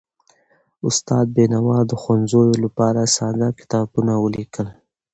استاد بینوا د ښوونځیو لپاره ساده کتابونه ولیکل.